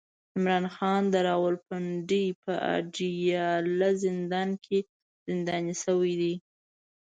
عمران خان د راولپنډۍ په اډياله زندان کې زنداني شوی دی